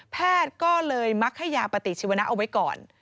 แพทย์ก็เลยมักให้ยาปฏิชีวนะเอาไว้ก่อน